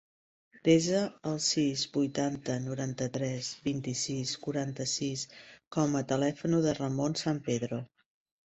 Desa el sis, vuitanta, noranta-tres, vint-i-sis, quaranta-sis com a telèfon del Ramon San Pedro.